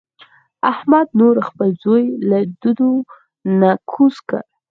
احمد نور خپل زوی له ډډو نه کوز کړ.